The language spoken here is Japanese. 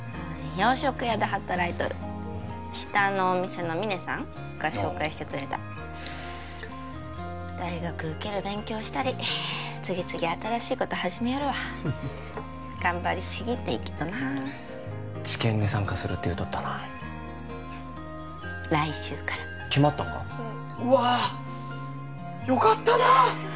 洋食屋で働いとる下のお店の峰さんが紹介してくれた大学受ける勉強したり次々新しいこと始めよるわ頑張りすぎんといいけどな治験に参加するって言うとったなうん来週から決まったんかうんうわーよかったな！